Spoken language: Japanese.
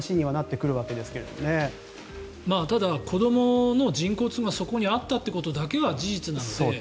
ただ、子どもの人骨がそこにあったということだけは事実なので。